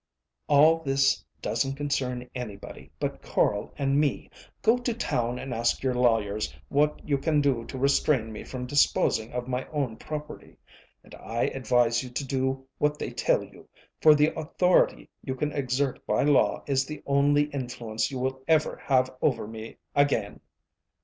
"All that doesn't concern anybody but Carl and me. Go to town and ask your lawyers what you can do to restrain me from disposing of my own property. And I advise you to do what they tell you; for the authority you can exert by law is the only influence you will ever have over me again."